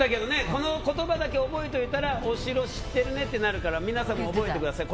この言葉だけ覚えておいたらお城知っているねとなるから皆さんも覚えてください。